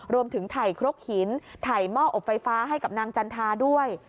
รวมถึงถ่ายครกหินถ่ายหม้ออบไฟฟ้าให้กับนางจันทาด้วย